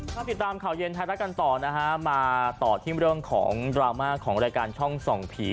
มาติดตามข่าวเย็นไทยรัฐกันต่อนะฮะมาต่อที่เรื่องของดราม่าของรายการช่องส่องผี